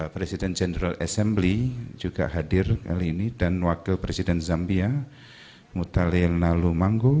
presiden jenderal assembly juga hadir kali ini dan wakil presiden zambia mutale nallumanggu